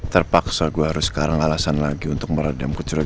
terpaksa gue harus sekarang alasan lagi untuk meredam kecurigaan